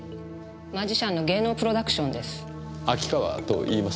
マジシャンの芸能プロダクションです。